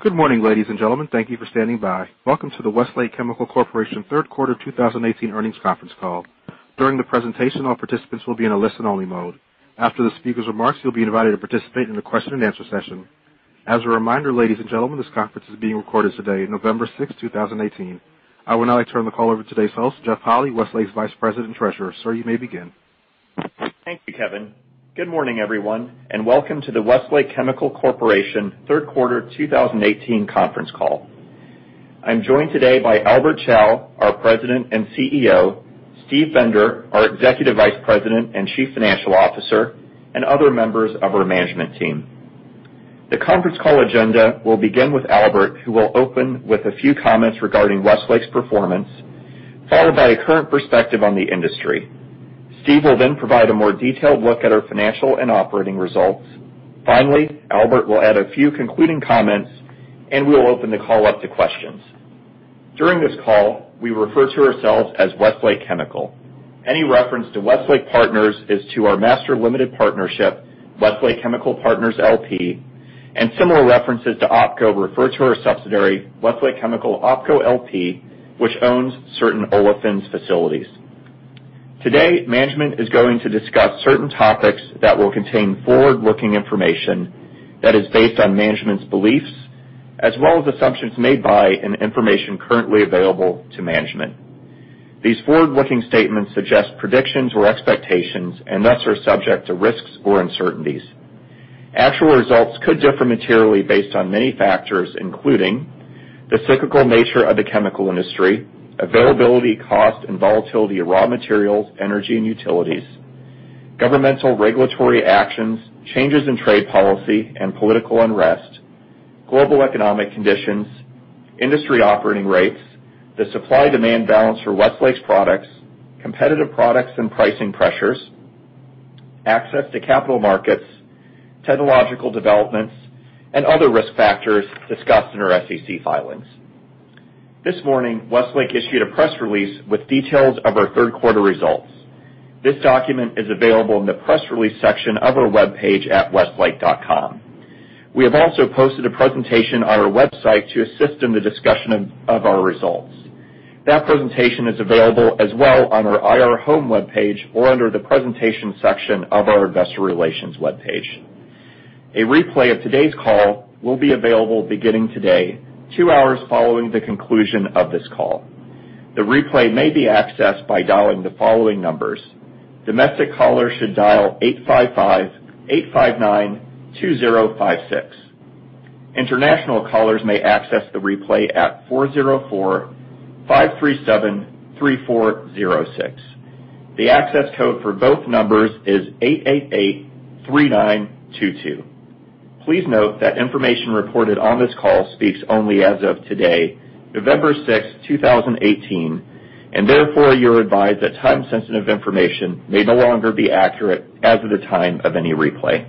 Good morning, ladies and gentlemen. Thank you for standing by. Welcome to the Westlake Chemical Corporation third quarter 2018 earnings conference call. During the presentation, all participants will be in a listen-only mode. After the speaker's remarks, you will be invited to participate in a question-and-answer session. As a reminder, ladies and gentlemen, this conference is being recorded today, November 6, 2018. I would now like to turn the call over to today's host, Jeff Holy, Westlake's Vice President and Treasurer. Sir, you may begin. Thank you, Kevin. Good morning, everyone, and welcome to the Westlake Chemical Corporation third quarter 2018 conference call. I am joined today by Albert Chao, our President and CEO, Steve Bender, our Executive Vice President and Chief Financial Officer, and other members of our management team. The conference call agenda will begin with Albert, who will open with a few comments regarding Westlake's performance, followed by a current perspective on the industry. Steve will then provide a more detailed look at our financial and operating results. Finally, Albert will add a few concluding comments, and we will open the call up to questions. During this call, we refer to ourselves as Westlake Chemical. Any reference to Westlake Partners is to our master limited partnership, Westlake Chemical Partners, LP, and similar references to OpCo refer to our subsidiary, Westlake Chemical OpCo LP, which owns certain olefins facilities. Today, management is going to discuss certain topics that will contain forward-looking information that is based on management's beliefs, as well as assumptions made by and information currently available to management. These forward-looking statements suggest predictions or expectations, and thus are subject to risks or uncertainties. Actual results could differ materially based on many factors, including the cyclical nature of the chemical industry; availability, cost, and volatility of raw materials, energy, and utilities; governmental regulatory actions; changes in trade policy; and political unrest; global economic conditions; industry operating rates; the supply-demand balance for Westlake's products; competitive products and pricing pressures; access to capital markets; technological developments; and other risk factors discussed in our SEC filings. This morning, Westlake issued a press release with details of our third quarter results. This document is available in the press release section of our webpage at westlake.com. We have also posted a presentation on our website to assist in the discussion of our results. That presentation is available as well on our IR home webpage or under the presentations section of our investor relations webpage. A replay of today's call will be available beginning today, two hours following the conclusion of this call. The replay may be accessed by dialing the following numbers. Domestic callers should dial 855-859-2056. International callers may access the replay at 404-537-3406. The access code for both numbers is 8883922. Please note that information reported on this call speaks only as of today, November 6, 2018, and therefore you are advised that time-sensitive information may no longer be accurate as of the time of any replay.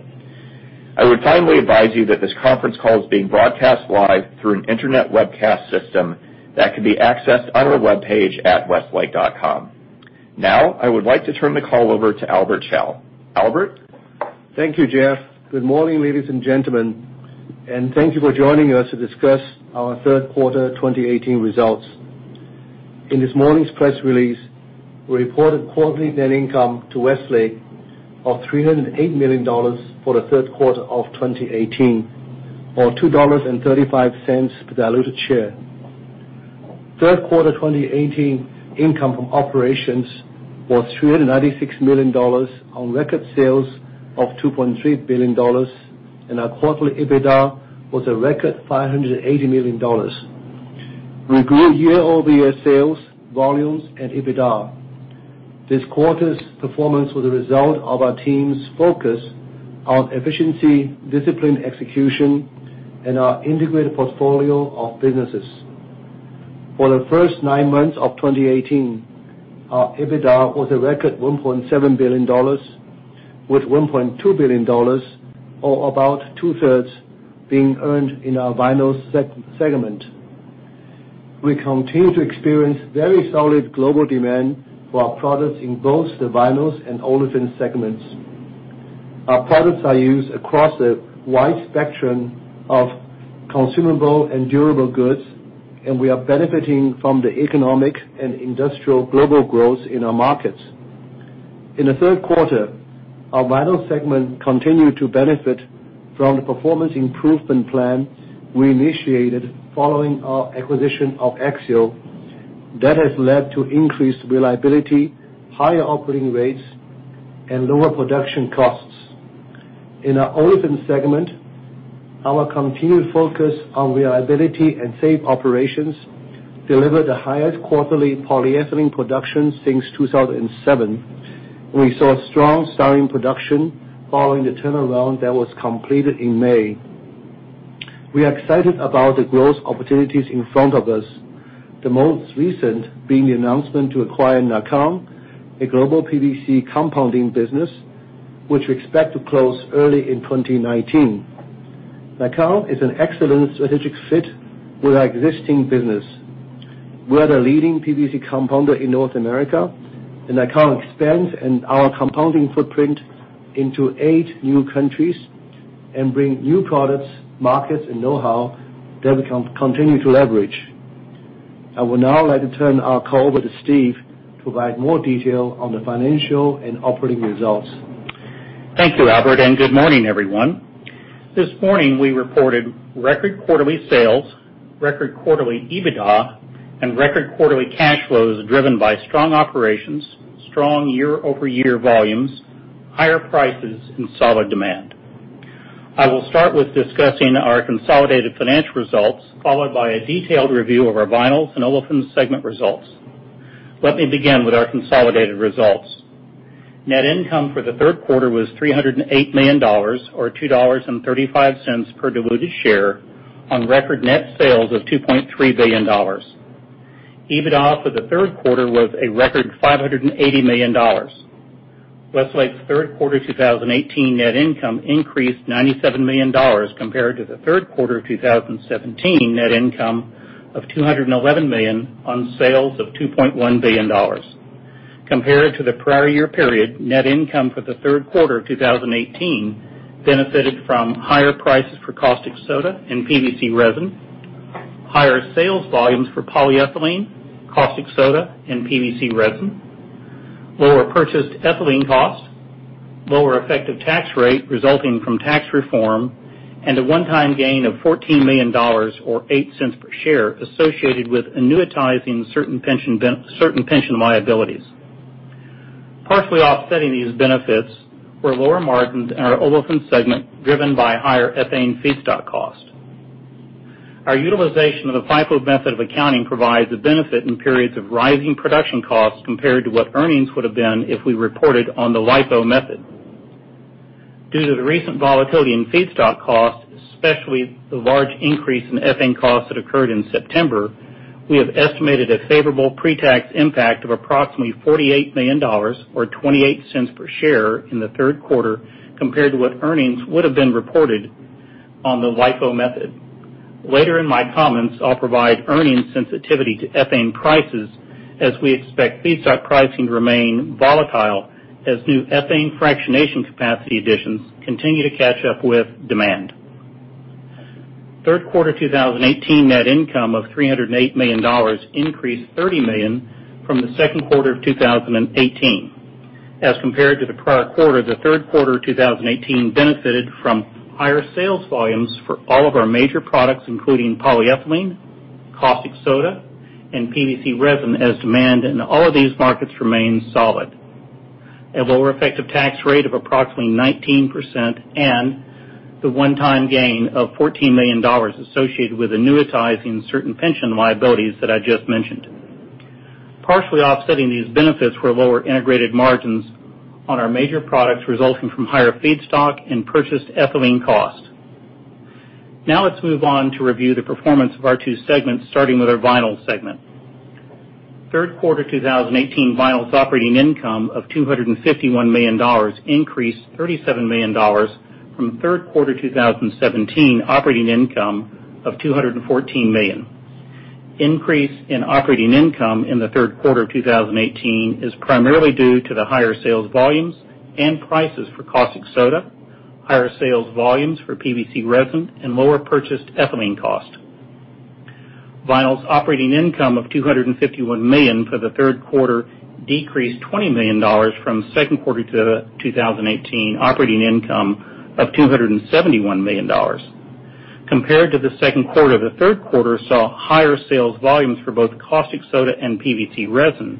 I would finally advise you that this conference call is being broadcast live through an internet webcast system that can be accessed on our webpage at westlake.com. Now, I would like to turn the call over to Albert Chao. Albert? Thank you, Jeff. Good morning, ladies and gentlemen, and thank you for joining us to discuss our third quarter 2018 results. In this morning's press release, we reported quarterly net income to Westlake of $308 million for the third quarter of 2018, or $2.35 per diluted share. Third quarter 2018 income from operations was $396 million on record sales of $2.3 billion, and our quarterly EBITDA was a record $580 million. We grew year-over-year sales, volumes, and EBITDA. This quarter's performance was a result of our team's focus on efficiency, disciplined execution, and our integrated portfolio of businesses. For the first nine months of 2018, our EBITDA was a record $1.7 billion, with $1.2 billion, or about two-thirds, being earned in our Vinyls Segment. We continue to experience very solid global demand for our products in both the Vinyls and Olefins Segments. Our products are used across a wide spectrum of consumable and durable goods, and we are benefiting from the economic and industrial global growth in our markets. In the third quarter, our Vinyls Segment continued to benefit from the performance improvement plan we initiated following our acquisition of Axiall. That has led to increased reliability, higher operating rates, and lower production costs. In our Olefins Segment, our continued focus on reliability and safe operations delivered the highest quarterly polyethylene production since 2007. We saw strong styrene production following the turnaround that was completed in May. We are excited about the growth opportunities in front of us, the most recent being the announcement to acquire NAKAN, a global PVC compounding business, which we expect to close early in 2019. NAKAN is an excellent strategic fit with our existing business. We're the leading PVC compounder in North America, and account expands and our compounding footprint into eight new countries and bring new products, markets, and know-how that we continue to leverage. I would now like to turn our call over to Steve to provide more detail on the financial and operating results. Thank you, Albert, Good morning, everyone. This morning, we reported record quarterly sales, record quarterly EBITDA, and record quarterly cash flows driven by strong operations, strong year-over-year volumes, higher prices and solid demand. I will start with discussing our consolidated financial results, followed by a detailed review of our Vinyls and Olefins segment results. Let me begin with our consolidated results. Net income for the third quarter was $308 million or $2.35 per diluted share on record net sales of $2.3 billion. EBITDA for the third quarter was a record $580 million. Westlake third quarter 2018 net income increased $97 million compared to the third quarter of 2017 net income of $211 million on sales of $2.1 billion. Compared to the prior year period, net income for the third quarter of 2018 benefited from higher prices for caustic soda and PVC resin, higher sales volumes for polyethylene, caustic soda and PVC resin, lower purchased ethylene costs, lower effective tax rate resulting from tax reform, and a one-time gain of $14 million or $0.08 per share associated with annuitizing certain pension liabilities. Partially offsetting these benefits were lower margins in our Olefins segment, driven by higher ethane feedstock costs. Our utilization of the FIFO method of accounting provides a benefit in periods of rising production costs compared to what earnings would have been if we reported on the LIFO method. Due to the recent volatility in feedstock costs, especially the large increase in ethane costs that occurred in September, we have estimated a favorable pre-tax impact of approximately $48 million or $0.28 per share in the third quarter compared to what earnings would have been reported on the LIFO method. Later in my comments, I'll provide earnings sensitivity to ethane prices as we expect feedstock pricing to remain volatile as new ethane fractionation capacity additions continue to catch up with demand. Third quarter 2018 net income of $308 million increased $30 million from the second quarter of 2018. As compared to the prior quarter, the third quarter of 2018 benefited from higher sales volumes for all of our major products, including polyethylene, caustic soda, and PVC resin, as demand in all of these markets remained solid. A lower effective tax rate of approximately 19% and the one-time gain of $14 million associated with annuitizing certain pension liabilities that I just mentioned. Partially offsetting these benefits were lower integrated margins on our major products resulting from higher feedstock and purchased ethylene cost. Let's move on to review the performance of our two segments, starting with our Vinyls segment. Third quarter 2018 Vinyls operating income of $251 million increased $37 million from third quarter 2017 operating income of $214 million. Increase in operating income in the third quarter of 2018 is primarily due to the higher sales volumes and prices for caustic soda, higher sales volumes for PVC resin, and lower purchased ethylene cost. Vinyls operating income of $251 million for the third quarter decreased $20 million from second quarter 2018 operating income of $271 million. Compared to the second quarter, the third quarter saw higher sales volumes for both caustic soda and PVC resin.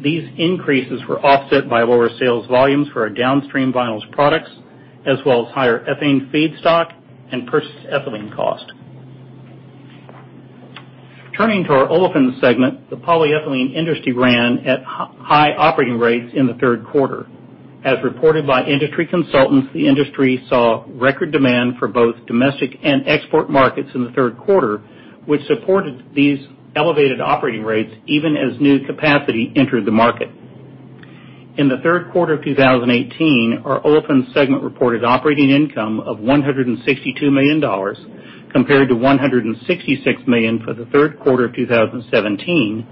These increases were offset by lower sales volumes for our downstream Vinyls products, as well as higher ethane feedstock and purchased ethylene cost. Turning to our Olefins segment, the polyethylene industry ran at high operating rates in the third quarter. As reported by industry consultants, the industry saw record demand for both domestic and export markets in the third quarter, which supported these elevated operating rates even as new capacity entered the market. In the third quarter of 2018, our Olefins segment reported operating income of $162 million compared to $166 million for the third quarter of 2017,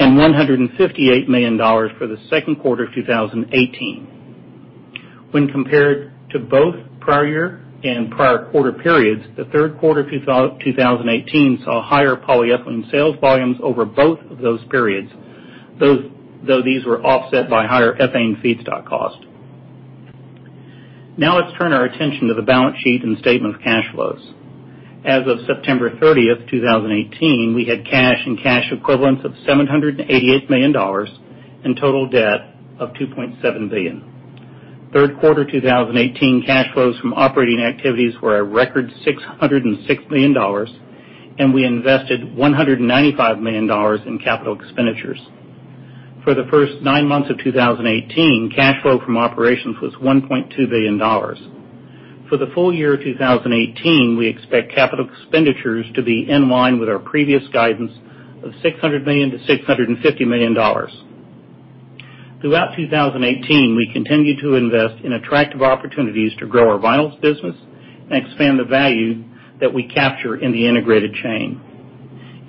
and $158 million for the second quarter of 2018. When compared to both prior year and prior quarter periods, the third quarter 2018 saw higher polyethylene sales volumes over both of those periods, though these were offset by higher ethane feedstock cost. Let's turn our attention to the balance sheet and statement of cash flows. As of September 30th, 2018, we had cash and cash equivalents of $788 million and total debt of $2.7 billion. Third quarter 2018 cash flows from operating activities were a record $606 million, and we invested $195 million in capital expenditures. For the first nine months of 2018, cash flow from operations was $1.2 billion. For the full year 2018, we expect capital expenditures to be in line with our previous guidance of $600 million-$650 million. Throughout 2018, we continued to invest in attractive opportunities to grow our Vinyls business and expand the value that we capture in the integrated chain.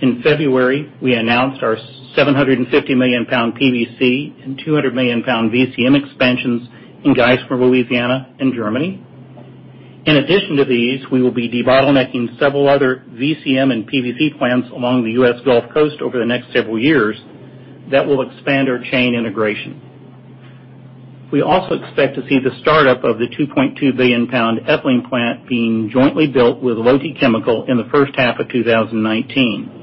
In February, we announced our 750 million pound PVC and 200 million pound VCM expansions in Geismar, Louisiana and Germany. In addition to these, we will be debottlenecking several other VCM and PVC plants along the U.S. Gulf Coast over the next several years that will expand our chain integration. We also expect to see the start-up of the 2.2 billion pound ethylene plant being jointly built with Lotte Chemical in the first half of 2019.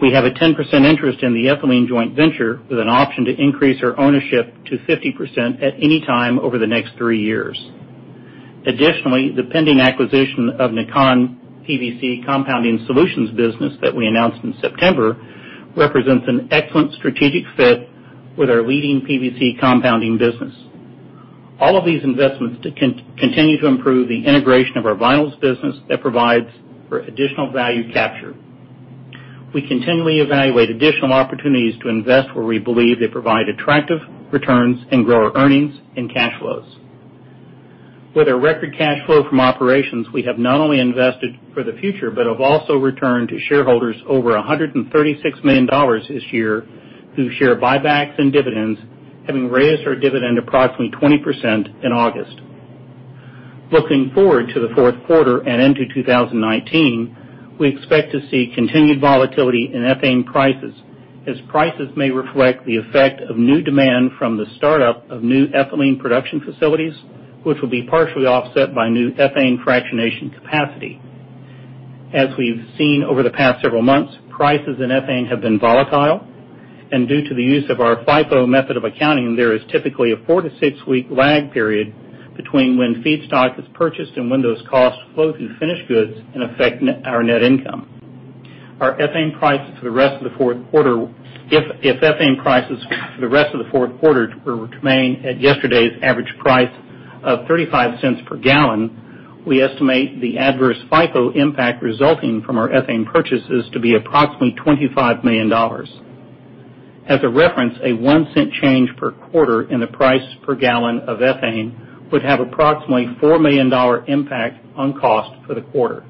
We have a 10% interest in the ethylene joint venture, with an option to increase our ownership to 50% at any time over the next three years. The pending acquisition of NAKAN PVC Compounding Solutions business that we announced in September represents an excellent strategic fit with our leading PVC compounding business. All of these investments continue to improve the integration of our Vinyls business that provides for additional value capture. We continually evaluate additional opportunities to invest where we believe they provide attractive returns and grow our earnings and cash flows. With our record cash flow from operations, we have not only invested for the future but have also returned to shareholders over $136 million this year through share buybacks and dividends, having raised our dividend approximately 20% in August. Looking forward to the fourth quarter and into 2019, we expect to see continued volatility in ethane prices, as prices may reflect the effect of new demand from the start-up of new ethylene production facilities, which will be partially offset by new ethane fractionation capacity. As we've seen over the past several months, prices in ethane have been volatile, and due to the use of our FIFO method of accounting, there is typically a four to six week lag period between when feedstock is purchased and when those costs flow through finished goods and affect our net income. If ethane prices for the rest of the fourth quarter were to remain at yesterday's average price of $0.35 per gallon, we estimate the adverse FIFO impact resulting from our ethane purchases to be approximately $25 million. As a reference, a $0.01 change per quarter in the price per gallon of ethane would have approximately $4 million impact on cost for the quarter.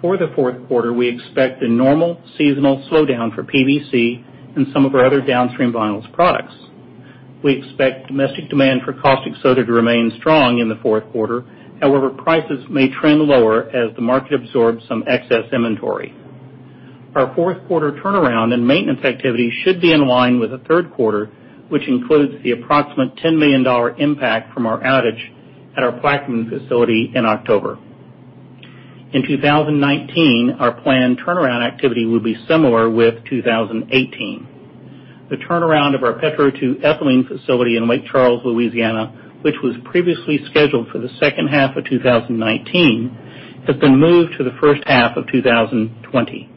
For the fourth quarter, we expect a normal seasonal slowdown for PVC and some of our other downstream vinyls products. We expect domestic demand for caustic soda to remain strong in the fourth quarter. However, prices may trend lower as the market absorbs some excess inventory. Our fourth quarter turnaround and maintenance activity should be in line with the third quarter, which includes the approximate $10 million impact from our outage at our Plaquemine facility in October. In 2019, our planned turnaround activity will be similar with 2018. The turnaround of our Petro 2 ethylene facility in Lake Charles, Louisiana, which was previously scheduled for the second half of 2019, has been moved to the first half of 2020.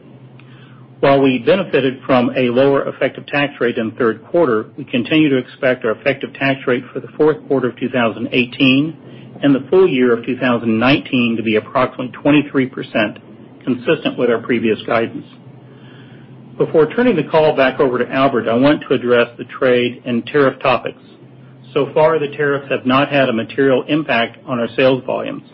While we benefited from a lower effective tax rate in the third quarter, we continue to expect our effective tax rate for the fourth quarter of 2018 and the full year of 2019 to be approximately 23%, consistent with our previous guidance. Before turning the call back over to Albert, I want to address the trade and tariff topics. The tariffs have not had a material impact on our sales volumes.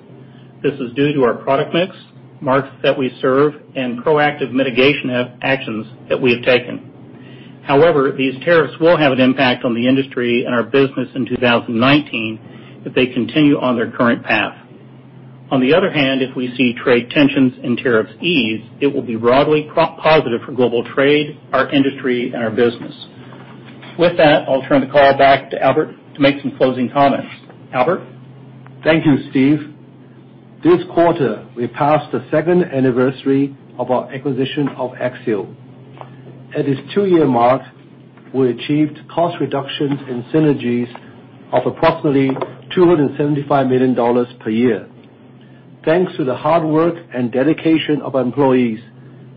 This is due to our product mix, markets that we serve, and proactive mitigation actions that we have taken. However, these tariffs will have an impact on the industry and our business in 2019 if they continue on their current path. On the other hand, if we see trade tensions and tariffs ease, it will be broadly positive for global trade, our industry, and our business. With that, I'll turn the call back to Albert to make some closing comments. Albert? Thank you, Steve. This quarter, we passed the second anniversary of our acquisition of Axiall. At this two-year mark, we achieved cost reductions and synergies of approximately $275 million per year. Thanks to the hard work and dedication of our employees,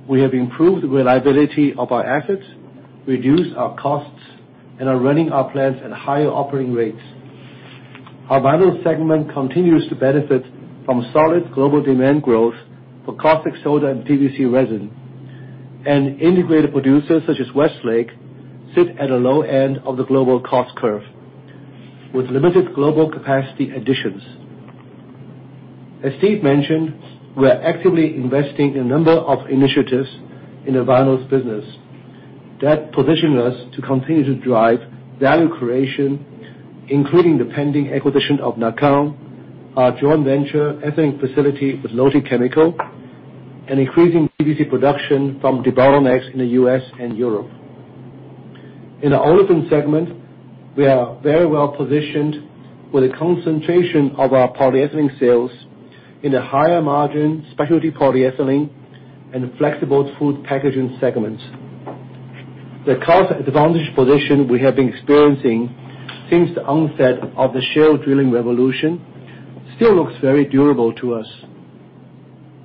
we have improved the reliability of our assets, reduced our costs, and are running our plants at higher operating rates. Our Vinyls segment continues to benefit from solid global demand growth for caustic soda and PVC resin. Integrated producers such as Westlake sit at a low end of the global cost curve, with limited global capacity additions. As Steve mentioned, we are actively investing in a number of initiatives in the Vinyls business that position us to continue to drive value creation, including the pending acquisition of NAKAN, our joint venture ethylene facility with Lotte Chemical, and increasing PVC production from debottlenecks in the U.S. and Europe. In the Olefins segment, we are very well positioned with a concentration of our polyethylene sales in the higher margin specialty polyethylene and flexible food packaging segments. The cost advantage position we have been experiencing since the onset of the shale drilling revolution still looks very durable to us.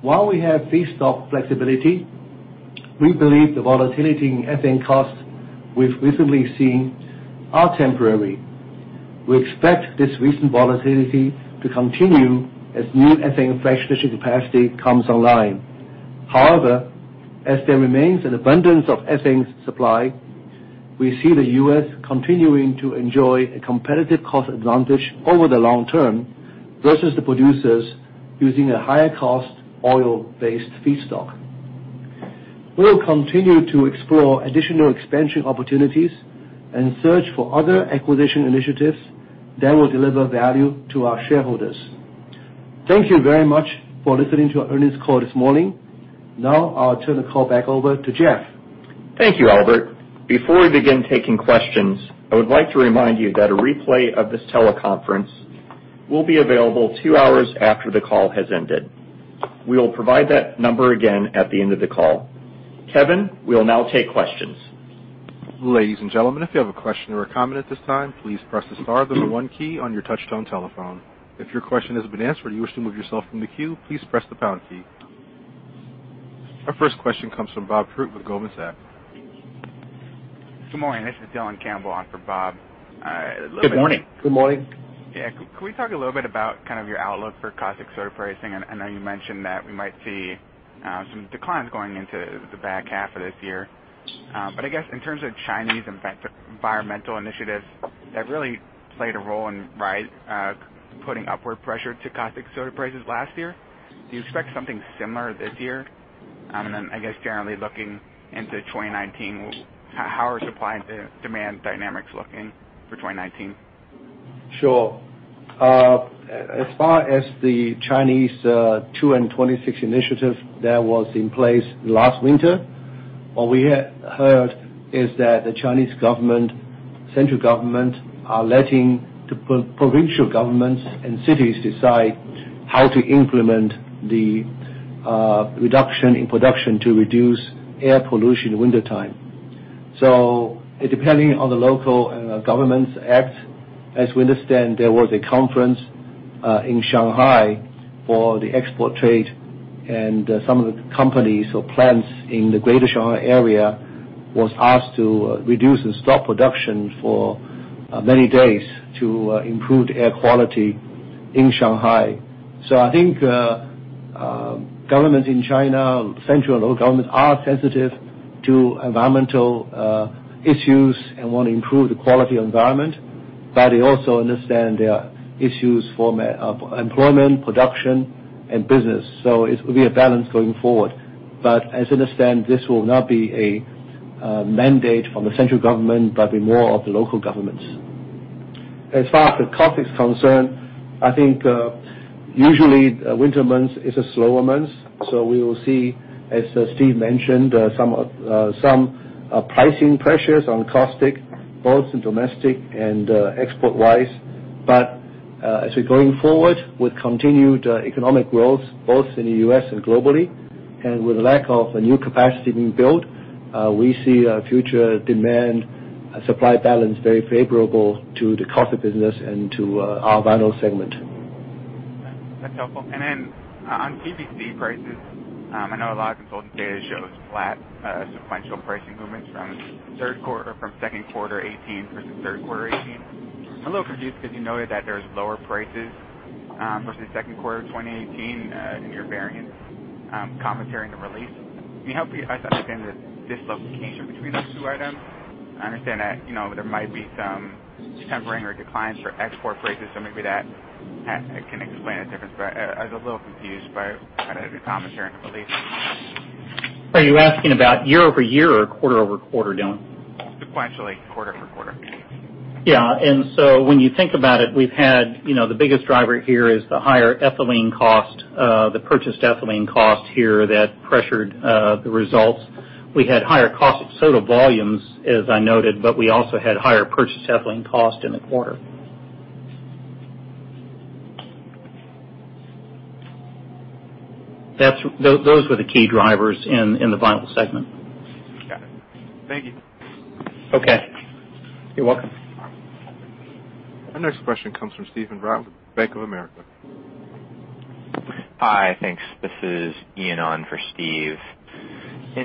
While we have feedstock flexibility, we believe the volatility in ethane costs we have recently seen are temporary. We expect this recent volatility to continue as new ethane fractionating capacity comes online. As there remains an abundance of ethane supply, we see the U.S. continuing to enjoy a competitive cost advantage over the long term versus the producers using a higher cost oil-based feedstock. We will continue to explore additional expansion opportunities and search for other acquisition initiatives that will deliver value to our shareholders. Thank you very much for listening to our earnings call this morning. I will turn the call back over to Jeff. Thank you, Albert. Before we begin taking questions, I would like to remind you that a replay of this teleconference will be available two hours after the call has ended. We will provide that number again at the end of the call. Kevin, we will now take questions. Ladies and gentlemen, if you have a question or a comment at this time, please press the star then the one key on your touchtone telephone. If your question has been answered or you wish to remove yourself from the queue, please press the pound key. Our first question comes from Bob Koort with Goldman Sachs. Good morning. This is Dylan Campbell on for Bob. Good morning. Yeah. Could we talk a little bit about kind of your outlook for caustic soda pricing? I know you mentioned that we might see some declines going into the back half of this year. I guess in terms of Chinese environmental initiatives, that really played a role in putting upward pressure to caustic soda prices last year. Do you expect something similar this year? I guess generally looking into 2019, how are supply and demand dynamics looking for 2019? Sure. As far as the Chinese 2+26 initiatives that was in place last winter, what we heard is that the Chinese central government are letting the provincial governments and cities decide how to implement the reduction in production to reduce air pollution in wintertime. Depending on the local government's act, as we understand, there was a conference in Shanghai for the export trade, and some of the companies or plants in the greater Shanghai area was asked to reduce and stop production for many days to improve air quality in Shanghai. I think government in China, central and local government, are sensitive to environmental issues and want to improve the quality environment. They also understand there are issues for employment, production, and business. It will be a balance going forward. As I understand, this will not be a mandate from the central government, but be more of the local governments. As far as the caustic is concerned, I think usually winter months is a slower month. We will see, as Steve mentioned, some pricing pressures on caustic, both in domestic and export wise. As we're going forward with continued economic growth both in the U.S. and globally, and with the lack of a new capacity being built, we see a future demand supply balance very favorable to the caustic business and to our vinyl segment. That's helpful. On PVC prices, I know a lot of consultant data shows flat sequential pricing movements from second quarter 2018 versus third quarter 2018. I'm a little confused because you noted that there's lower prices versus second quarter 2018 in your variance commentary in the release. Can you help me understand the dislocation between those two items? I understand that there might be some tempering or declines for export prices, so maybe that can explain the difference. I was a little confused by the commentary in the release. Are you asking about year-over-year or quarter-over-quarter, Dylan? Sequentially, quarter-over-quarter. When you think about it, the biggest driver here is the higher ethylene cost, the purchased ethylene cost here that pressured the results. We had higher caustic soda volumes, as I noted, but we also had higher purchased ethylene cost in the quarter. Those were the key drivers in the vinyl segment. Got it. Thank you. Okay. You're welcome. Our next question comes from Steve Byrne with Bank of America. Hi. Thanks. This is Ian on for Steve. Hi.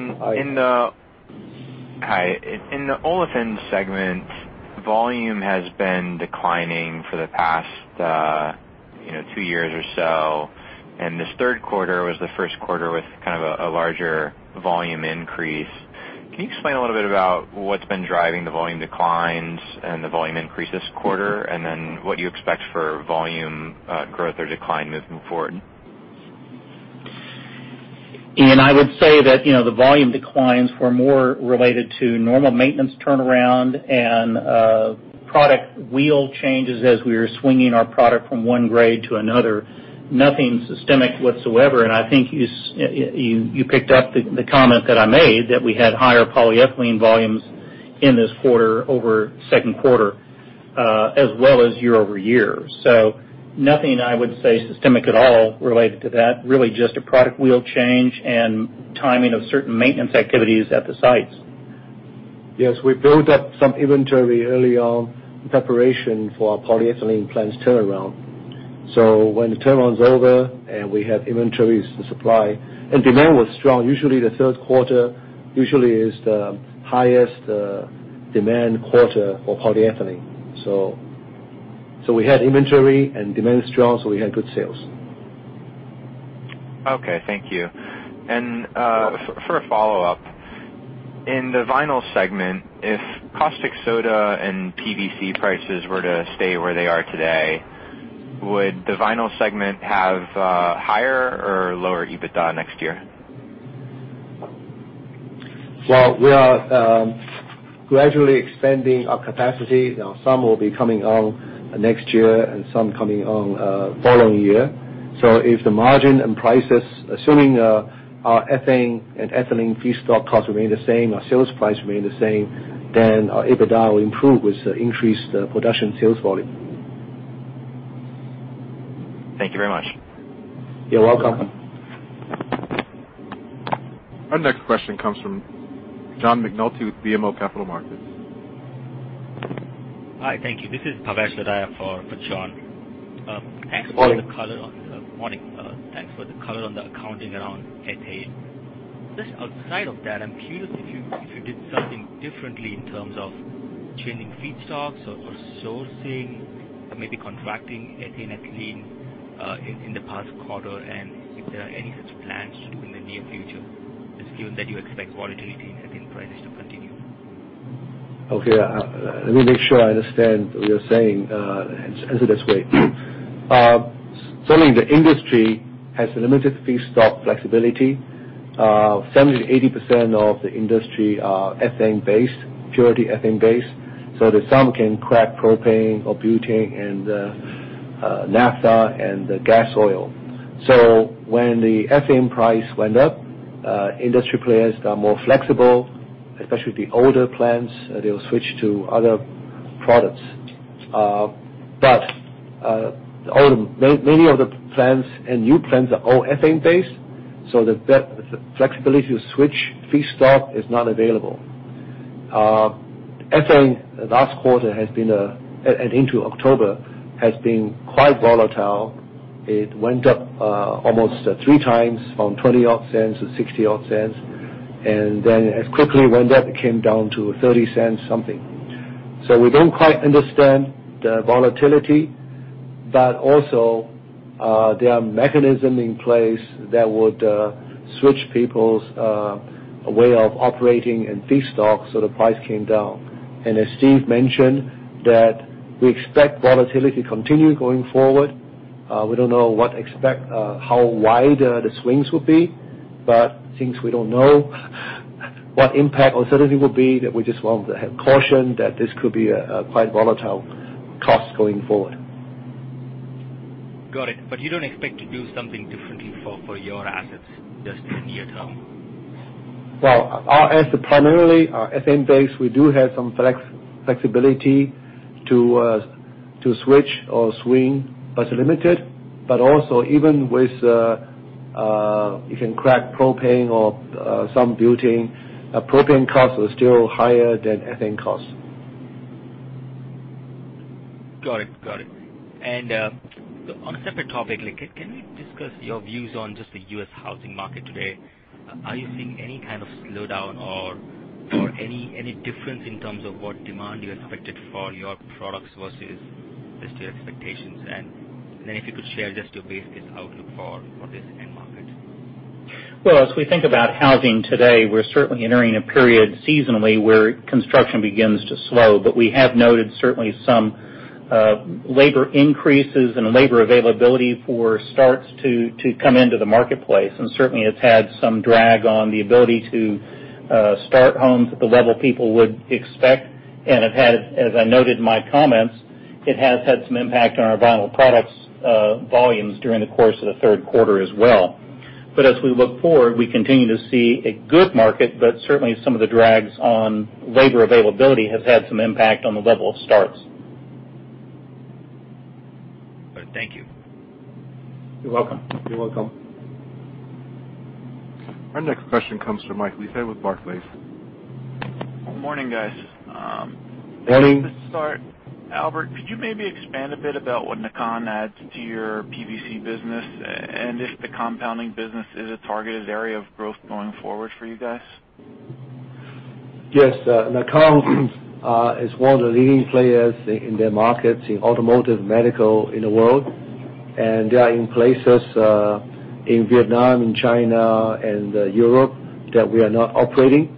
Hi. In the olefins segment, volume has been declining for the past two years or so, and this third quarter was the first quarter with kind of a larger volume increase. Can you explain a little bit about what's been driving the volume declines and the volume increase this quarter, and then what you expect for volume growth or decline moving forward? Ian, I would say that the volume declines were more related to normal maintenance turnaround and product wheel changes as we are swinging our product from one grade to another. Nothing systemic whatsoever. I think you picked up the comment that I made, that we had higher polyethylene volumes in this quarter over second quarter, as well as year-over-year. Nothing I would say systemic at all related to that. Really just a product wheel change and timing of certain maintenance activities at the sites. Yes, we built up some inventory early on in preparation for our polyethylene plants turnaround. When the turnaround is over and we have inventories to supply, and demand was strong. Usually, the third quarter is the highest demand quarter for polyethylene. We had inventory and demand was strong, so we had good sales. Okay, thank you. For a follow-up, in the vinyl segment, if caustic soda and PVC prices were to stay where they are today, would the vinyl segment have higher or lower EBITDA next year? Well, we are gradually expanding our capacity. Some will be coming on next year and some coming on following year. If the margin and prices, assuming our ethane and ethylene feedstock costs remain the same, our sales price remain the same, then our EBITDA will improve with the increased production sales volume. Thank you very much. You're welcome. Our next question comes from John McNulty with BMO Capital Markets. Hi, thank you. This is Bhavesh Sodagar for John. Morning. Morning. Thanks for the color on the accounting around ethane. Just outside of that, I'm curious if you did something differently in terms of changing feedstocks or sourcing or maybe contracting ethane, ethylene in the past quarter and if there are any such plans in the near future, just given that you expect volatility in ethane prices to continue? Let me make sure I understand what you're saying. Answer it this way. Certainly, the industry has limited feedstock flexibility. 70%, 80% of the industry are ethane-based, purity ethane-based. Some can crack propane or butane and naphtha and gas oil. When the ethane price went up, industry players got more flexible, especially the older plants, they will switch to other products. Many of the plants and new plants are all ethane-based, so the flexibility to switch feedstock is not available. Ethane, last quarter and into October, has been quite volatile. It went up almost three times from $0.20-odd to $0.60-odd, and then it quickly went up, it came down to $0.30 something. We don't quite understand the volatility, but also, there are mechanisms in place that would switch people's way of operating and feedstock, so the price came down. As Steve mentioned, that we expect volatility to continue going forward. We don't know what to expect, how wide the swings will be, but since we don't know what impact or certainty will be, that we just want to have caution that this could be a quite volatile cost going forward. Got it. You don't expect to do something differently for your assets, just in the near term? Well, as primarily ethane-based, we do have some flexibility to switch or swing, but it's limited. Also, you can crack propane or some butane. Propane costs are still higher than ethane costs. Got it. On a separate topic, can we discuss your views on just the U.S. housing market today? Are you seeing any kind of slowdown or any difference in terms of what demand you expected for your products versus just your expectations? Then if you could share just your basic outlook for this end market. As we think about housing today, we're certainly entering a period seasonally where construction begins to slow. We have noted certainly some labor increases and labor availability for starts to come into the marketplace. Certainly, it's had some drag on the ability to start homes at the level people would expect. As I noted in my comments, it has had some impact on our vinyl products volumes during the course of the third quarter as well. As we look forward, we continue to see a good market, but certainly some of the drags on labor availability have had some impact on the level of starts. Thank you. You're welcome. You're welcome. Our next question comes from Michael Leithead with Barclays. Morning, guys. Morning. Just to start, Albert, could you maybe expand a bit about what NAKAN adds to your PVC business and if the compounding business is a targeted area of growth going forward for you guys? Yes. NAKAN is one of the leading players in their markets in automotive, medical in the world. They are in places in Vietnam and China and Europe that we are not operating.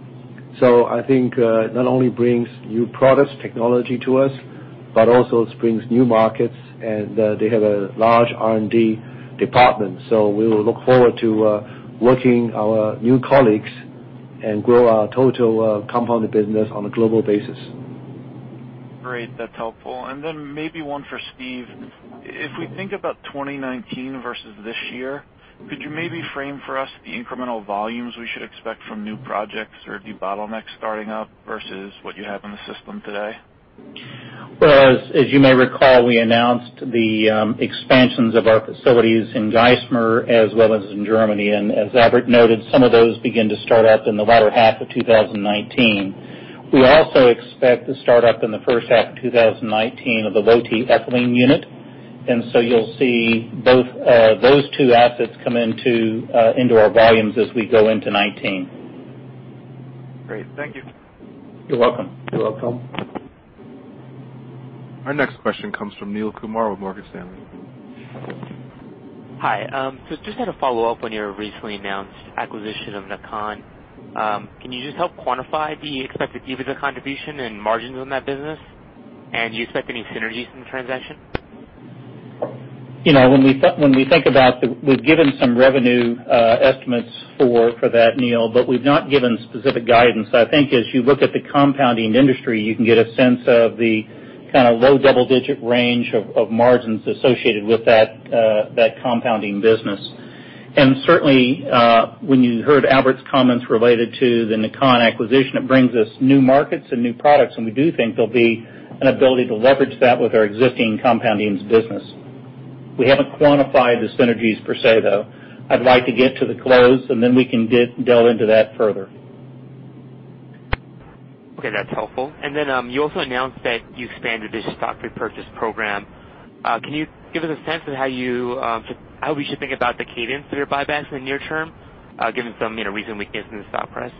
I think it not only brings new products technology to us, but also brings new markets, and they have a large R&D department. We will look forward to working our new colleagues and grow our total compounding business on a global basis. Great. That's helpful. Then maybe one for Steve. If we think about 2019 versus this year, could you maybe frame for us the incremental volumes we should expect from new projects or new bottlenecks starting up versus what you have in the system today? Well, as you may recall, we announced the expansions of our facilities in Geismar as well as in Germany. As Albert noted, some of those begin to start up in the latter half of 2019. We also expect the startup in the first half of 2019 of the Lotte ethylene unit. You'll see those two assets come into our volumes as we go into 2019. Great. Thank you. You're welcome. You're welcome. Our next question comes from Neel Kumar with Morgan Stanley. Hi. Just had a follow-up on your recently announced acquisition of NAKAN. Can you just help quantify the expected EBITDA contribution and margins on that business? Do you expect any synergies from the transaction? We've given some revenue estimates for that, Neel, but we've not given specific guidance. I think as you look at the compounding industry, you can get a sense of the low double-digit range of margins associated with that compounding business. Certainly, when you heard Albert's comments related to the NAKAN acquisition, it brings us new markets and new products, we do think there'll be an ability to leverage that with our existing compoundings business. We haven't quantified the synergies per se, though. I'd like to get to the close, we can delve into that further. Okay, that's helpful. You also announced that you expanded the stock repurchase program. Can you give us a sense of how we should think about the cadence of your buybacks in the near term, given some recent weakness in the stock price?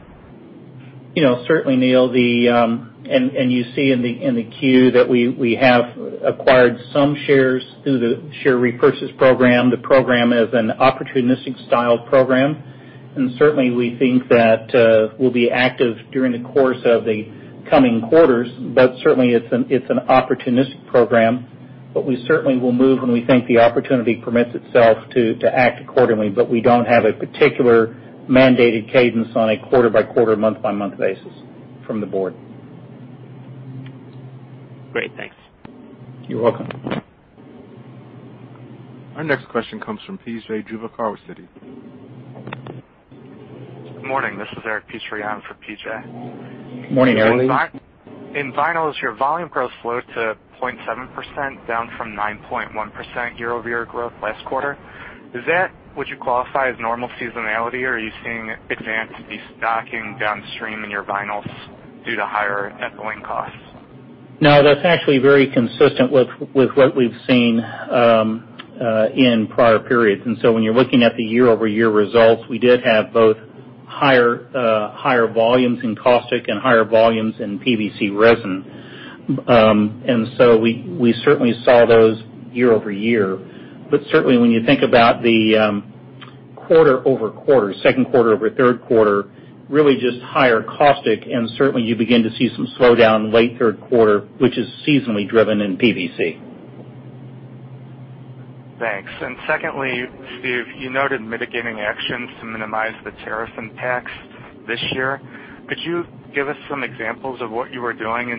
Certainly, Neel. You see in the Q that we have acquired some shares through the share repurchase program. The program is an opportunistic style program. Certainly, we think that we'll be active during the course of the coming quarters. Certainly, it's an opportunistic program, we certainly will move when we think the opportunity permits itself to act accordingly. We don't have a particular mandated cadence on a quarter by quarter, month by month basis from the board. Great, thanks. You're welcome. Our next question comes from PJ, Citigroup. Good morning, this is Eric Petrie on for PJ. Morning, Eric. In vinyls, your volume growth slowed to 0.7%, down from 9.1% year-over-year growth last quarter. Would you qualify as normal seasonality, or are you seeing advance destocking downstream in your vinyls due to higher ethylene costs? No, that's actually very consistent with what we've seen in prior periods. When you're looking at the year-over-year results, we did have both higher volumes in caustic and higher volumes in PVC resin. We certainly saw those year-over-year. Certainly, when you think about the quarter-over-quarter, second quarter over third quarter, really just higher caustic, and certainly you begin to see some slowdown late third quarter, which is seasonally driven in PVC. Thanks. Secondly, Steve, you noted mitigating actions to minimize the tariff impacts this year. Could you give us some examples of what you are doing?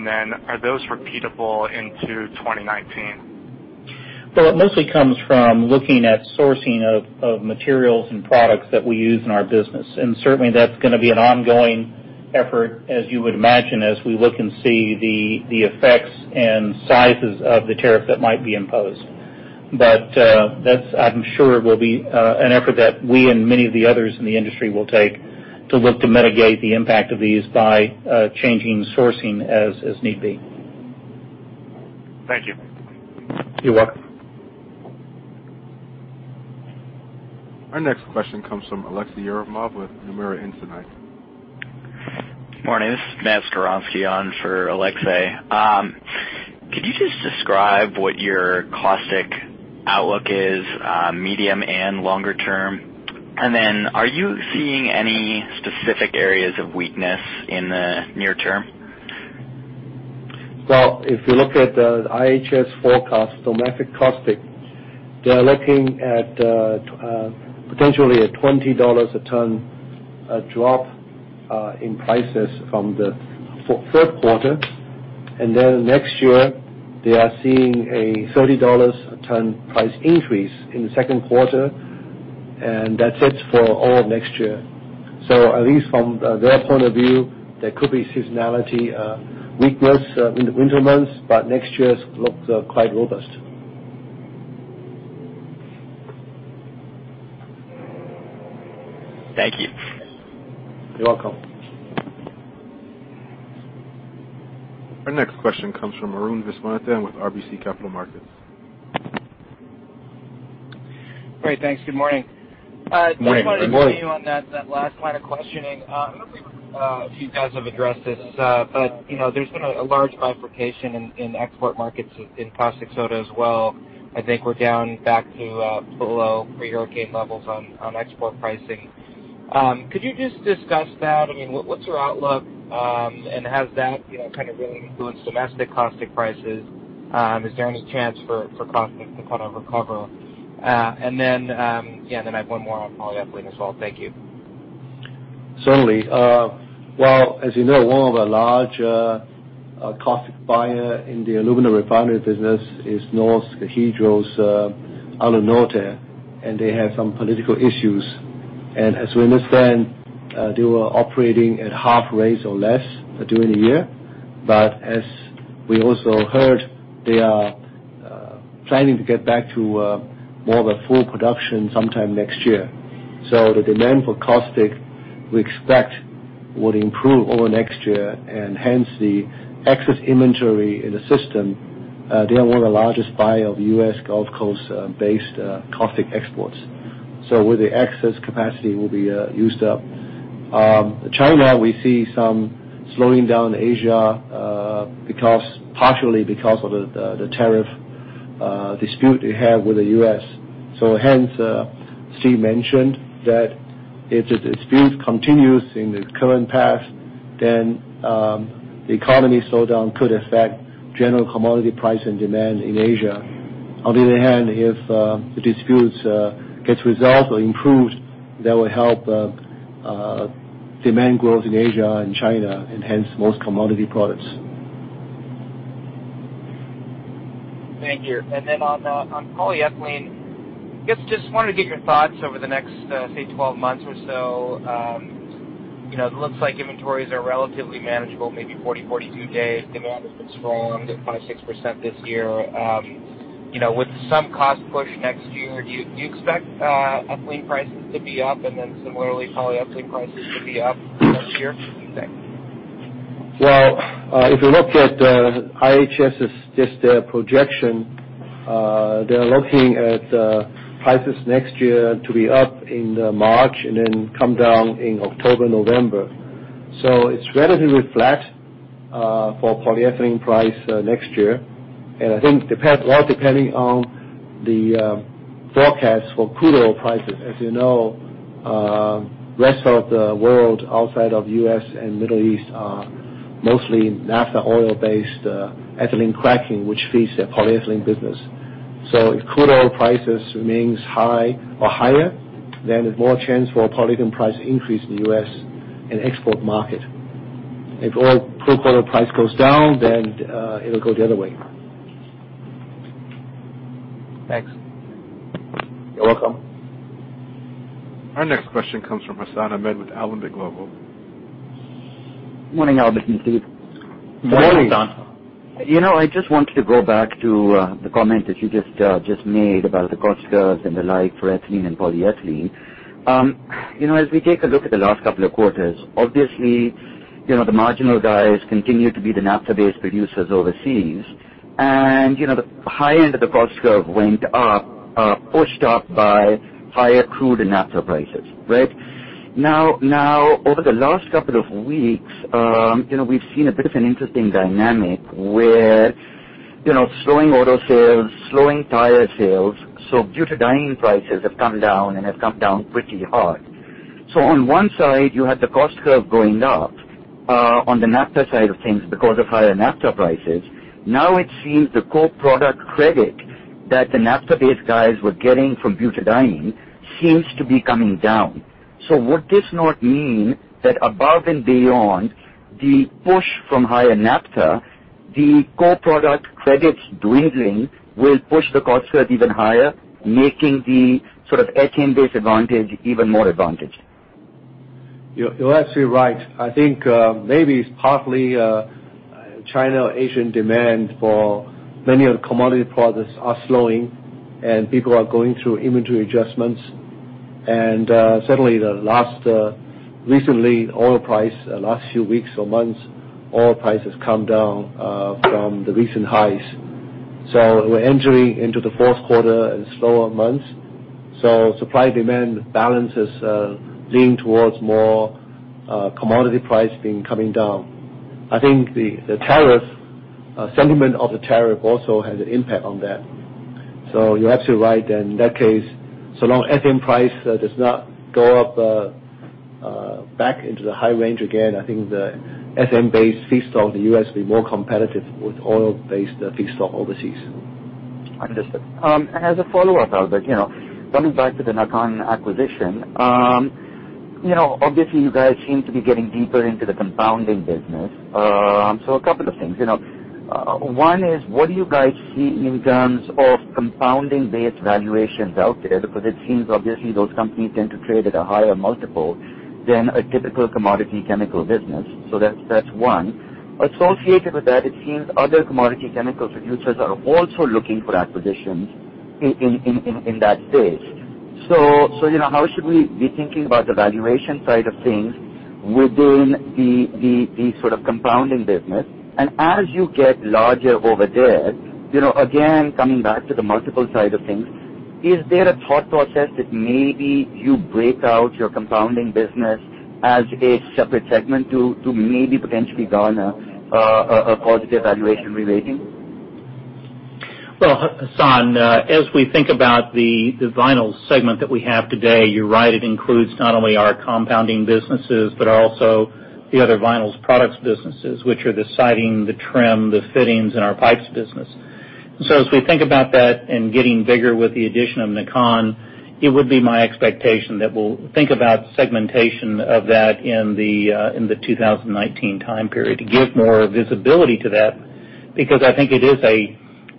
Are those repeatable into 2019? Well, it mostly comes from looking at sourcing of materials and products that we use in our business. Certainly that's going to be an ongoing effort, as you would imagine, as we look and see the effects and sizes of the tariff that might be imposed. That, I'm sure, will be an effort that we and many of the others in the industry will take to look to mitigate the impact of these by changing sourcing as need be. Thank you. You're welcome. Our next question comes from Aleksey Yefremov with Nomura Instinet. Morning. This is Matthew Skowronski on for Aleksey. Could you just describe what your caustic outlook is, medium and longer term? Then are you seeing any specific areas of weakness in the near term? Well, if you look at the IHS forecast, domestic caustic, they're looking at potentially a $20 a ton drop in prices from the third quarter. Then next year, they are seeing a $30 a ton price increase in the second quarter, and that's it for all of next year. At least from their point of view, there could be seasonality weakness in the winter months, but next year looks quite robust. Thank you. You're welcome. Our next question comes from Arun Viswanathan with RBC Capital Markets. Great, thanks. Good morning. Morning. Morning. Just wanted to continue on that last line of questioning. I don't know if you guys have addressed this, there's been a large bifurcation in export markets in caustic soda as well. I think we're down back to below pre-hurricane levels on export pricing. Could you just discuss that? What's your outlook? Has that really influenced domestic caustic prices? Is there any chance for caustic to kind of recover? Then, yeah, I have one more follow-up later as well. Thank you. Certainly. Well, as you know, one of the large caustic buyer in the aluminum refinery business is Norsk Hydro's Alunorte, they have some political issues. As we understand, they were operating at half rates or less during the year. As we also heard, they are planning to get back to more of a full production sometime next year. The demand for caustic, we expect would improve over next year, and hence the excess inventory in the system. They are one of the largest buyer of U.S. Gulf Coast based caustic exports. Where the excess capacity will be used up. China, we see some slowing down Asia, partially because of the tariff dispute they have with the U.S. Hence, Steve mentioned that if the dispute continues in the current path, then the economy slowdown could affect general commodity price and demand in Asia. On the other hand, if the disputes gets resolved or improved, that will help demand growth in Asia and China and hence most commodity products. Thank you. Then on polyethylene, guess just wanted to get your thoughts over the next, say, 12 months or so. It looks like inventories are relatively manageable, maybe 40, 42 days. Demand has been strong, at 5%-6% this year. With some cost push next year, do you expect ethylene prices to be up similarly polyethylene prices to be up next year? What do you think? Well, if you look at IHS' just projection, they're looking at prices next year to be up in March and then come down in October, November. It's relatively flat for polyethylene price next year, and I think while depending on the forecast for crude oil prices. As you know, rest of the world outside of U.S. and Middle East are mostly naphtha oil based ethylene cracking, which feeds their polyethylene business. If crude oil prices remains high or higher, then there's more chance for polyethylene price increase in the U.S. and export market. If crude oil price goes down, then it'll go the other way. Thanks. You're welcome. Our next question comes from Hassan Ahmed with Alembic Global Advisors. Morning, Albert and Steve. Morning, Hassan. I just wanted to go back to the comment that you just made about the cost curves and the like for ethylene and polyethylene. As we take a look at the last couple of quarters, obviously, the marginal guys continue to be the naphtha based producers overseas. The high end of the cost curve went up, pushed up by higher crude and naphtha prices, right? Over the last couple of weeks, we've seen a bit of an interesting dynamic where slowing auto sales, slowing tire sales, so butadiene prices have come down and have come down pretty hard. On one side, you had the cost curve going up on the naphtha side of things because of higher naphtha prices. Now it seems the co-product credit that the naphtha based guys were getting from butadiene seems to be coming down. Would this not mean that above and beyond the push from higher naphtha, the co-product credits dwindling will push the cost curve even higher, making the sort of ethylene base advantage even more advantage? You're absolutely right. I think maybe it's partly China, Asian demand for many of the commodity products are slowing, and people are going through inventory adjustments. Certainly, recently oil price, last few weeks or months, oil price has come down from the recent highs. We're entering into the fourth quarter and slower months. Supply-demand balance is leaning towards more commodity price coming down. I think the sentiment of the tariff also has an impact on that. You're absolutely right. In that case, so long as SM price does not go up back into the high range again, I think the SM based [feedstock] in the U.S. will be more competitive with oil based feedstock overseas. Understood. As a follow-up, Albert, coming back to the NAKAN acquisition. Obviously you guys seem to be getting deeper into the compounding business. A couple of things. One is, what do you guys see in terms of compounding based valuations out there? It seems obviously those companies tend to trade at a higher multiple than a typical commodity chemical business. That's one. Associated with that, it seems other commodity chemical producers are also looking for acquisitions in that space. How should we be thinking about the valuation side of things within the sort of compounding business? As you get larger over there, again, coming back to the multiple side of things, is there a thought process that maybe you break out your compounding business as a separate segment to maybe potentially garner a positive valuation relating? Well, Hassan, as we think about the vinyl segment that we have today, you're right, it includes not only our compounding businesses, but also the other vinyls products businesses, which are the siding, the trim, the fittings, and our pipes business. As we think about that and getting bigger with the addition of Nakan, it would be my expectation that we'll think about segmentation of that in the 2019 time period to give more visibility to that, because I think it is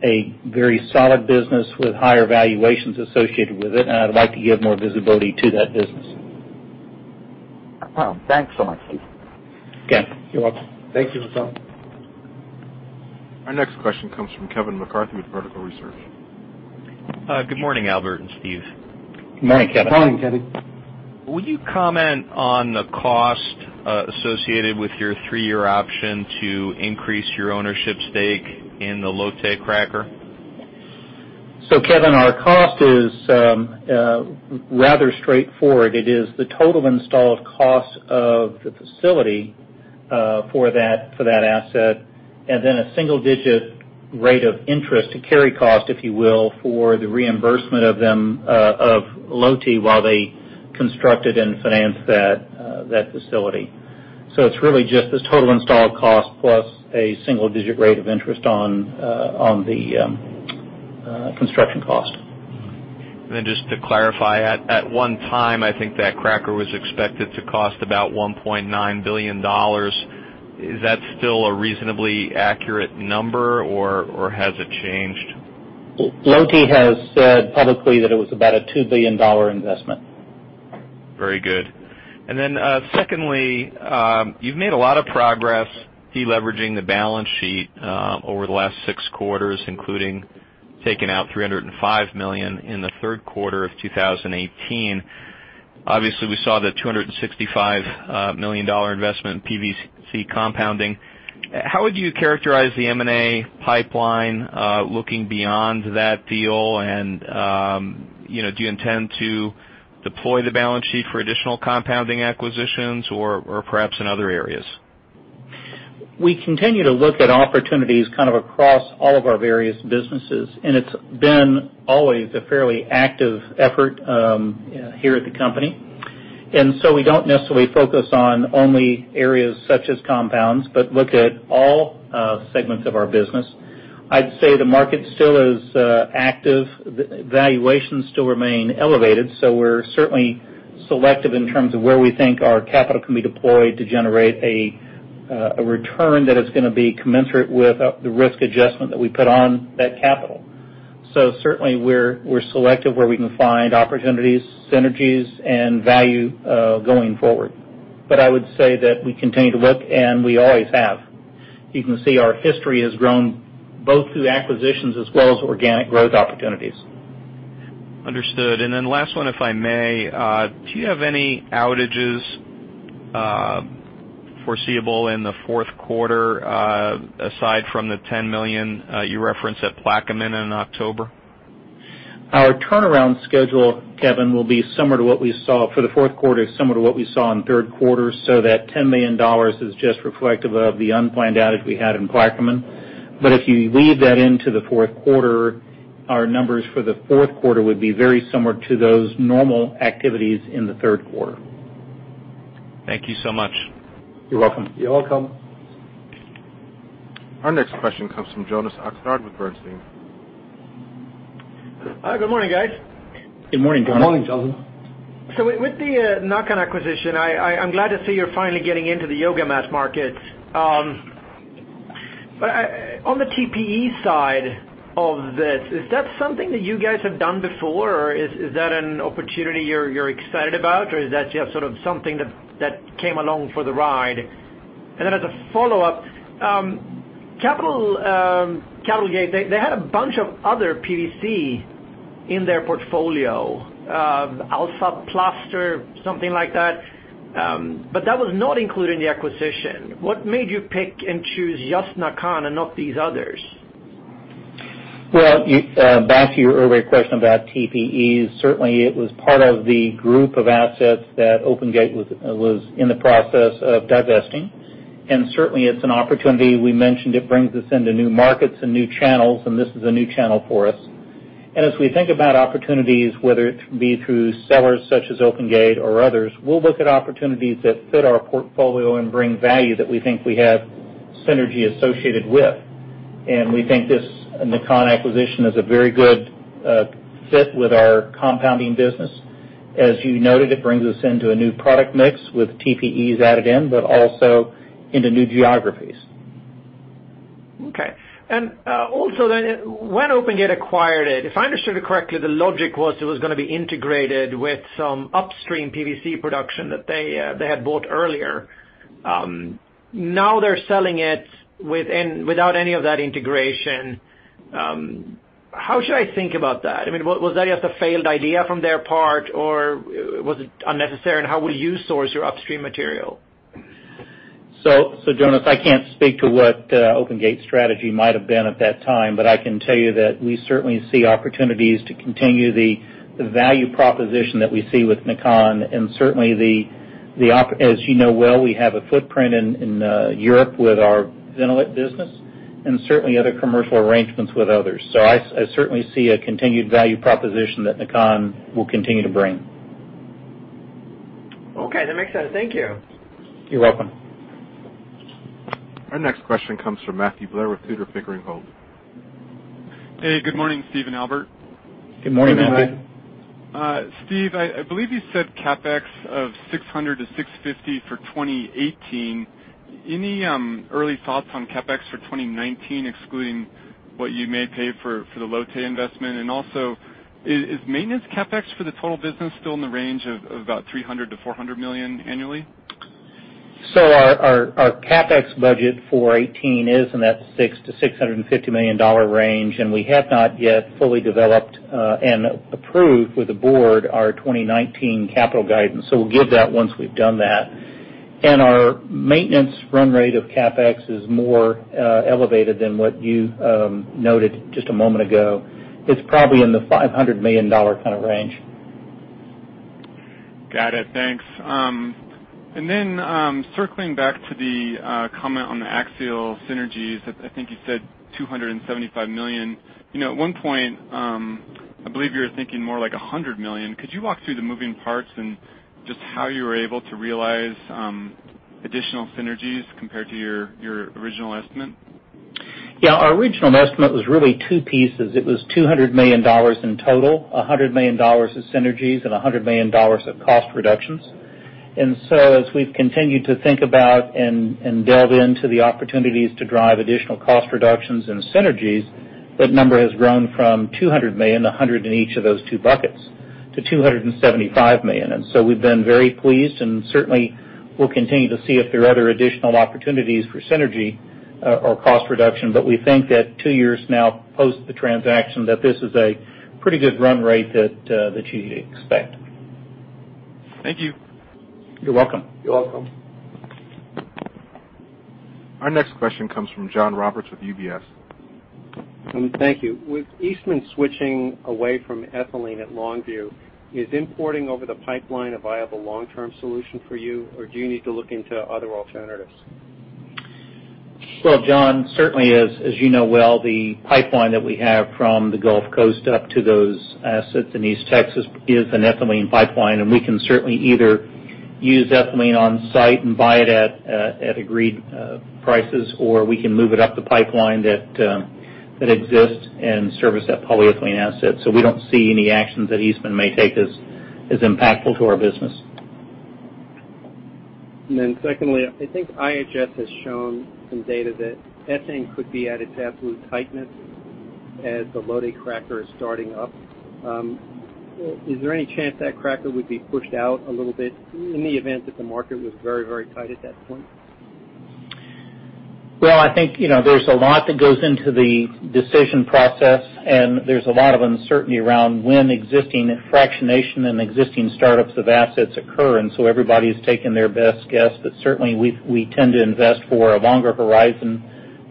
a very solid business with higher valuations associated with it, and I'd like to give more visibility to that business. Well, thanks so much, Steve. Okay. You're welcome. Thank you for calling. Our next question comes from Kevin McCarthy with Vertical Research. Good morning, Albert and Steve. Good morning, Kevin. Good morning, Kevin. Would you comment on the cost associated with your three-year option to increase your ownership stake in the Lotte cracker? Kevin, our cost is rather straightforward. It is the total installed cost of the facility for that asset, and then a single-digit rate of interest to carry cost, if you will, for the reimbursement of them, of Lotte, while they constructed and financed that facility. It's really just this total installed cost plus a single-digit rate of interest on the construction cost. Just to clarify, at one time, I think that cracker was expected to cost about $1.9 billion. Is that still a reasonably accurate number, or has it changed? Lotte has said publicly that it was about a $2 billion investment. Very good. Secondly, you've made a lot of progress deleveraging the balance sheet over the last six quarters, including taking out $305 million in the third quarter of 2018. Obviously, we saw the $265 million investment in PVC compounding. How would you characterize the M&A pipeline looking beyond that deal, and do you intend to deploy the balance sheet for additional compounding acquisitions or perhaps in other areas? We continue to look at opportunities kind of across all of our various businesses, and it's been always a fairly active effort here at the company. We don't necessarily focus on only areas such as compounds, but look at all segments of our business. I'd say the market still is active. Valuations still remain elevated, we're certainly selective in terms of where we think our capital can be deployed to generate a return that is going to be commensurate with the risk adjustment that we put on that capital. Certainly, we're selective where we can find opportunities, synergies, and value going forward. I would say that we continue to look, and we always have. You can see our history has grown both through acquisitions as well as organic growth opportunities. Understood. Last one, if I may. Do you have any outages foreseeable in the fourth quarter aside from the $10 million you referenced at Plaquemine in October? Our turnaround schedule, Kevin, for the fourth quarter, is similar to what we saw in the third quarter. That $10 million is just reflective of the unplanned outage we had in Plaquemine. If you lead that into the fourth quarter, our numbers for the fourth quarter would be very similar to those normal activities in the third quarter. Thank you so much. You're welcome. You're welcome. Our next question comes from Jonas Oxgaard with Bernstein. Hi. Good morning, guys. Good morning, Jonas. Good morning, Jonas. With the NAKAN acquisition, I'm glad to see you're finally getting into the yoga mat market. On the TPE side of this, is that something that you guys have done before, or is that an opportunity you're excited about, or is that just sort of something that came along for the ride? As a follow-up, OpenGate Capital, they had a bunch of other PVC in their portfolio. [Alpha Plaster], something like that. That was not included in the acquisition. What made you pick and choose just NAKAN and not these others? Back to your earlier question about TPEs, certainly it was part of the group of assets that OpenGate Capital was in the process of divesting. Certainly, it's an opportunity. We mentioned it brings us into new markets and new channels, and this is a new channel for us. As we think about opportunities, whether it be through sellers such as OpenGate Capital or others, we'll look at opportunities that fit our portfolio and bring value that we think we have synergy associated with. We think this NAKAN acquisition is a very good fit with our compounding business. As you noted, it brings us into a new product mix with TPEs added in, but also into new geographies. Okay. When OpenGate Capital acquired it, if I understood it correctly, the logic was it was going to be integrated with some upstream PVC production that they had bought earlier. Now they're selling it without any of that integration. How should I think about that? Was that just a failed idea from their part, or was it unnecessary? How will you source your upstream material? Jonas, I can't speak to what OpenGate Capital's strategy might have been at that time, but I can tell you that we certainly see opportunities to continue the value proposition that we see with NAKAN and certainly, as you know well, we have a footprint in Europe with our vinyl business and certainly other commercial arrangements with others. I certainly see a continued value proposition that NAKAN will continue to bring. Okay, that makes sense. Thank you. You're welcome. Our next question comes from Matthew Blair with Tudor, Pickering, Holt. Hey, good morning, Steve and Albert. Good morning, Matthew. Good morning. Steve, I believe you said CapEx of $600 million-$650 million for 2018. Any early thoughts on CapEx for 2019, excluding what you may pay for the Lotte investment? Is maintenance CapEx for the total business still in the range of about $300 million-$400 million annually? Our CapEx budget for 2018 is in that $600 million-$650 million range. We have not yet fully developed and approved with the board our 2019 capital guidance. We'll give that once we've done that. Our maintenance run rate of CapEx is more elevated than what you noted just a moment ago. It's probably in the $500 million kind of range. Got it. Thanks. Circling back to the comment on the Axiall synergies, I think you said $275 million. At one point, I believe you were thinking more like $100 million. Could you walk through the moving parts and just how you were able to realize additional synergies compared to your original estimate? Yeah, our original estimate was really two pieces. It was $200 million in total, $100 million of synergies and $100 million of cost reductions. As we've continued to think about and delve into the opportunities to drive additional cost reductions and synergies, that number has grown from $200 million, $100 in each of those two buckets, to $275 million. We've been very pleased, and certainly we'll continue to see if there are other additional opportunities for synergy or cost reduction. We think that two years now post the transaction, that this is a pretty good run rate that you'd expect. Thank you. You're welcome. You're welcome. Our next question comes from John Roberts with UBS. Thank you. With Eastman switching away from ethylene at Longview, is importing over the pipeline a viable long-term solution for you, or do you need to look into other alternatives? Well, John, certainly as you know well, the pipeline that we have from the Gulf Coast up to those assets in East Texas is an ethylene pipeline, and we can certainly either use ethylene on-site and buy it at agreed prices, or we can move it up the pipeline that exists and service that polyethylene asset. We don't see any actions that Eastman may take as impactful to our business. Secondly, I think IHS has shown some data that ethane could be at its absolute tightness as the Lotte cracker is starting up. Is there any chance that cracker would be pushed out a little bit in the event that the market was very tight at that point? Well, I think, there's a lot that goes into the decision process, and there's a lot of uncertainty around when existing fractionation and existing startups of assets occur. Everybody's taking their best guess, but certainly we tend to invest for a longer horizon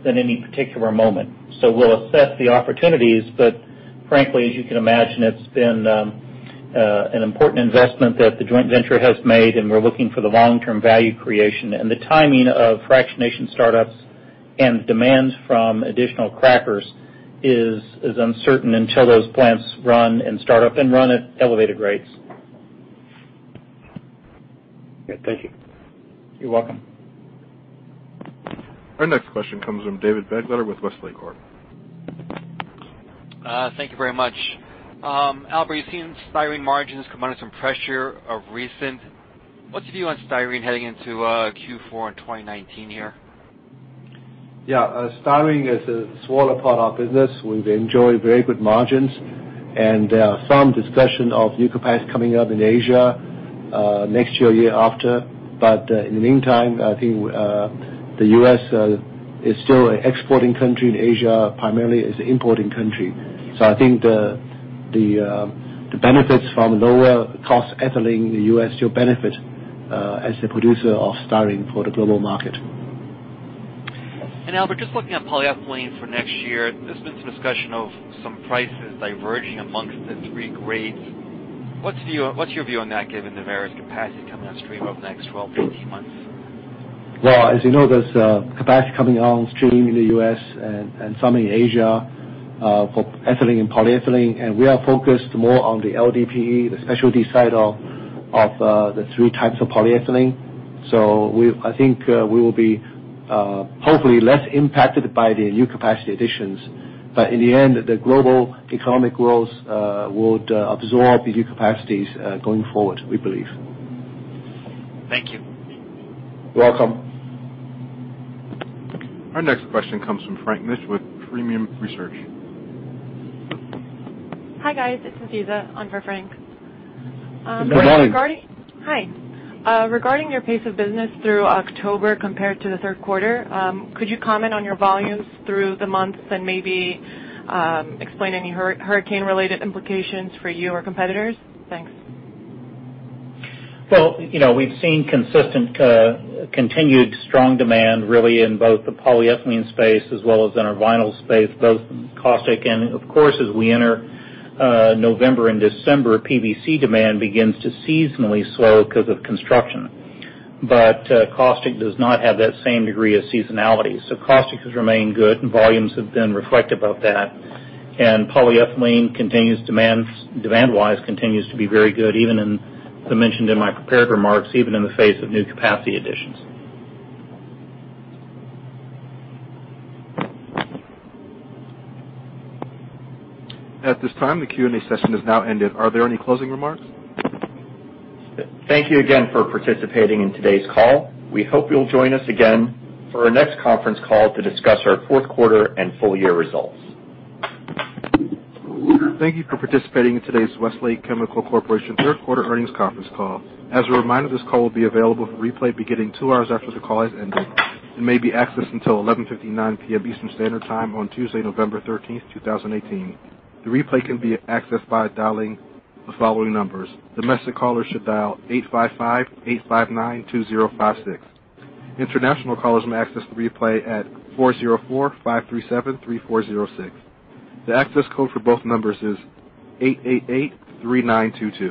than any particular moment. We'll assess the opportunities, but frankly, as you can imagine, it's been an important investment that the joint venture has made, and we're looking for the long-term value creation. The timing of fractionation startups and demands from additional crackers is uncertain until those plants run and start up and run at elevated rates. Okay, thank you. You're welcome. Our next question comes from David Begleiter with Deutsche Bank. Thank you very much. Albert, you've seen styrene margins come under some pressure of recent. What's your view on styrene heading into Q4 in 2019 here? Yeah. Styrene is a smaller part of our business. We've enjoyed very good margins. There are some discussion of new capacity coming up in Asia next year or year after. In the meantime, I think the U.S. is still an exporting country, and Asia primarily is importing country. I think the benefits from lower cost ethylene in the U.S. still benefit as a producer of styrene for the global market. Albert, just looking at polyethylene for next year, there's been some discussion of some prices diverging amongst the 3 grades. What's your view on that given the various capacity coming on stream over the next 12 to 18 months? Well, as you know, there's capacity coming on stream in the U.S. and some in Asia for ethylene and polyethylene, and we are focused more on the LDPE, the specialty side of the three types of polyethylene. I think we will be hopefully less impacted by the new capacity additions. In the end, the global economic growth would absorb the new capacities going forward, we believe. Thank you. You're welcome. Our next question comes from Frank Mitsch with Fermium Research. Hi, guys. It's Aziza on for Frank. Good morning. Hi. Regarding your pace of business through October compared to the third quarter, could you comment on your volumes through the month and maybe explain any hurricane-related implications for you or competitors? Thanks. We've seen consistent continued strong demand really in both the polyethylene space as well as in our vinyl space, both caustic and of course, as we enter November and December, PVC demand begins to seasonally slow because of construction. Caustic does not have that same degree of seasonality. Caustic has remained good and volumes have been reflective of that. Polyethylene demand wise continues to be very good, as I mentioned in my prepared remarks, even in the face of new capacity additions. At this time, the Q&A session has now ended. Are there any closing remarks? Thank you again for participating in today's call. We hope you'll join us again for our next conference call to discuss our fourth quarter and full year results. Thank you for participating in today's Westlake Chemical Corporation third quarter earnings conference call. As a reminder, this call will be available for replay beginning two hours after the call has ended and may be accessed until 11:59 P.M. Eastern Standard Time on Tuesday, November 13th, 2018. The replay can be accessed by dialing the following numbers. Domestic callers should dial 855-859-2056. International callers may access the replay at 404-537-3406. The access code for both numbers is 8883922.